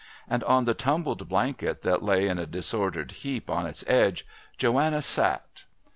And on the tumbled blankets that lay in a disordered heap on its edge, Joanna sat....